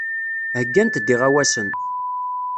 Heyyant-d iɣawasen.